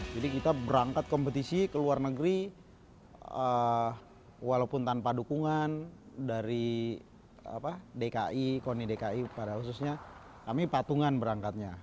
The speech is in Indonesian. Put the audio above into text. jadi kita berangkat kompetisi ke luar negeri walaupun tanpa dukungan dari dki koni dki pada khususnya kami patungan berangkatnya